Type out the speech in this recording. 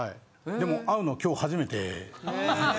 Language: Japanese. でも会うのは今日初めてで。